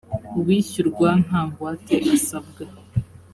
uwishyurwa nta ngwate asabwa.